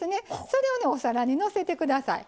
それをねお皿にのせて下さい。